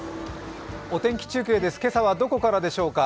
お天気中継です、今朝はどこからでしょうか。